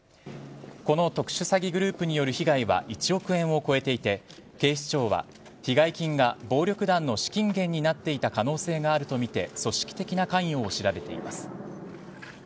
この特殊詐欺グループによる被害は１億円を超えていて警視庁は被害金が暴力団の資金源になっていた可能性があるとみて組織的な関与を調べています。